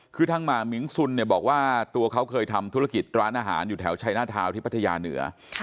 คือทางห่ามิงสุนเนี่ยบอกว่าตัวเขาเคยทำธุรกิจร้านอาหารอยู่แถวชัยหน้าทาวที่พัทยาเหนือ